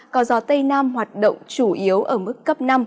có gió tây nam hoạt động chủ yếu ở mức cấp năm